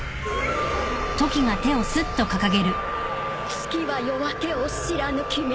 月は夜明けを知らぬ君。